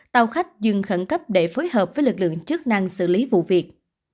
tàu khách dừng khẩn cấp để phối hợp với lực lượng chức năng xử lý vụ việc